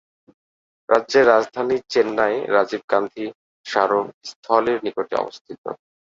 রাজ্যের রাজধানী চেন্নাই রাজীব গান্ধী স্মারক স্থলের নিকটে অবস্থিত।